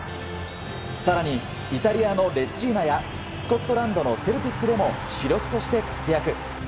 更にイタリアのレッジーナやスコットランドのセルティックでも主力として活躍。